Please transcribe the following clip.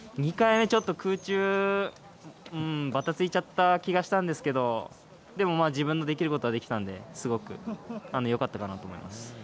２回目、ちょっと空中、ばたついちゃった気がしたんですけど、でもまあ、自分のできることはできたんで、すごくよかったかなと思います。